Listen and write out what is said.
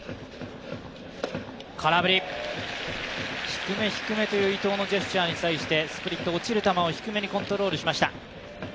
低め低めという伊藤のジェスチャーに対してスプリット、落ちる球を低めにコントロールしました。